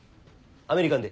アメリカンで。